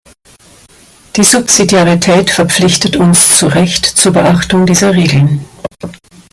Die Subsidiarität verpflichtet uns zu Recht zur Beachtung dieser Regeln.